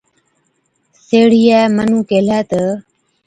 سيهڙِيئَي مُنُون ڪيهلَي هِلَي تہ،